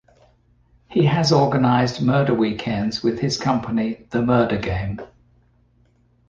He has organised 'murder weekends' with his company 'The Murder Game'.